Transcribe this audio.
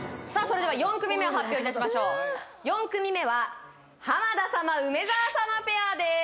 それでは４組目を発表いたしましょう４組目は浜田様梅沢様ペアです